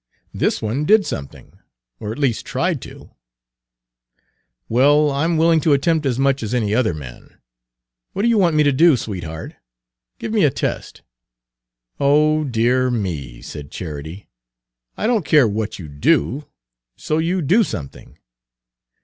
This one did something, or at least tried to." "Well, I'm willing to attempt as much as any other man. What do you want me to do, sweetheart? Give me a test." "Oh, dear me!" said Charity, "I don't care what you do, so you do something.